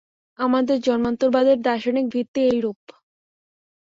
আমাদের জন্মান্তরবাদের দার্শনিক ভিত্তি এইরূপ।